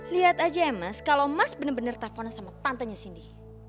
lihat aja ya mas kalau mas bener bener telfon sama tantanya sindi